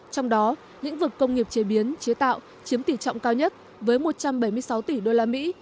trong đó lĩnh vực công nghiệp chế biến chế tạo chiếm tỷ trọng cao nhất với một trăm bảy mươi sáu tỷ đô la mỹ